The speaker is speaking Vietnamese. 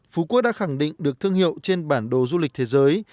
phú quốc đã khẳng định được thương hiệu trên bản đồ du lịch thế giới